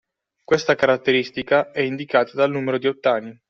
Questa caratteristica è indicata dal numero di ottani.